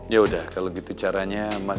ya udah kalau gitu caranya